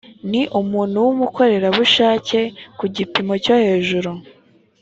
ni umuntu w’umukorerabushake ku gipimo cyo hejuru